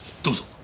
どうぞ。